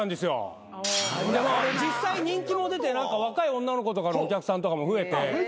実際人気も出て若い女の子とかのお客さんとかも増えて。